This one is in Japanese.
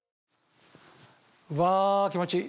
うわ気持ちいい。